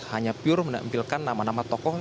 hanya pure menampilkan nama nama tokoh